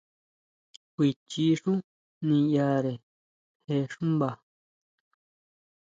Kuichi xú niyare je xúmba?